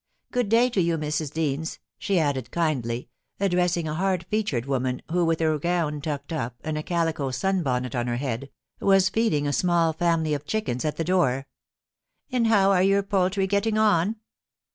Good day to you, Mrs. Deans,' she added kindly, addressing a hard featured woman, who, with her gown tucked up, and a calico sun bonnet on her head, was feeding a small family of chickens at the door. * And how are your poultry getting on